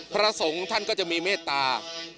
พระสงฆ์ท่านก็จะมีเมตตา